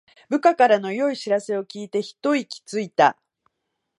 部下からの良い知らせを聞いてひと息ついた